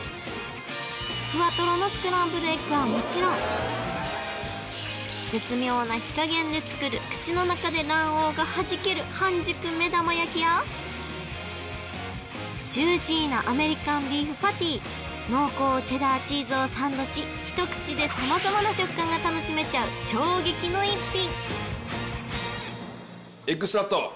ふわトロのスクランブルエッグはもちろん絶妙な火加減で作る口の中でジューシーなアメリカンビーフパティ濃厚チェダーチーズをサンドし一口で様々な食感が楽しめちゃう衝撃の一品！